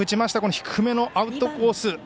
低めのアウトコース。